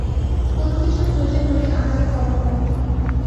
কোনকিছুর প্রয়োজন হলে আমাকে কল করো।